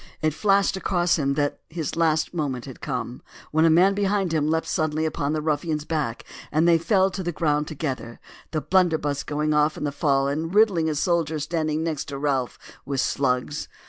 It flashed across him that his last moment had come; when a man behind leapt suddenly upon the ruffian's back and they fell to the ground together, the blunderbuss going off in the fall and riddling a soldier standing next to Ralph with slugs.